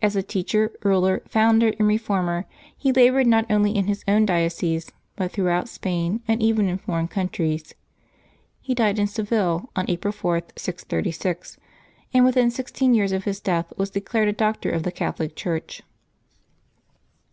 As a teacher, ruler, foimder, and reformer, he labored not only in his own diocese, but throughout Spain, and even in foreign countries. He died in Seville on April 4, 636, and within sixteen years of his death was declared a Doctor of the Catholic Church.